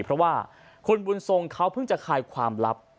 เพราะว่าคุณบุญทรงเขาเพิ่งจะคลายความลับ